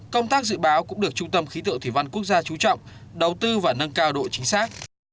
công tác dự báo cũng được trung tâm khí tượng thủy văn quốc gia trú trọng đầu tư và nâng cao độ chính xác